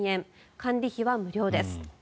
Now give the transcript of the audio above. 管理費は無料です。